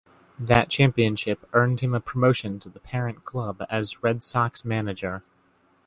That championship earned him a promotion to the parent club as Red Sox manager.